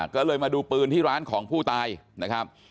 ก็เลยมาดูปืนที่ร้านของผู้ตายนะครับ